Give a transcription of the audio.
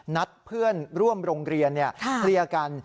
นัดเพื่อนร่วมโรงเรียนเคลียร์กัน